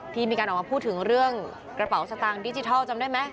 มีการออกมาพูดถึงเรื่องกระเป๋าสตางค์ดิจิทัลจำได้ไหม